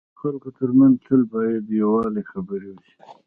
د خلکو ترمنځ تل باید د یووالي خبري وسي.